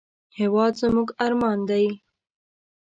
هېواد زموږ ارمان دی